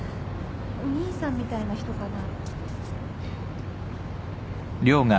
お兄さんみたいな人かな。